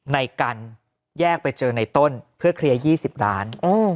ในกันแยกไปเจอในต้นเพื่อเคลียร์๒๐ล้าน